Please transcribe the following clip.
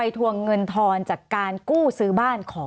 สวัสดีครับทุกคน